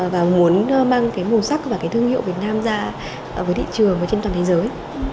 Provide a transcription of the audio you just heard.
và muốn mang màu sắc và thương hiệu việt nam ra với thị trường và trên toàn thế giới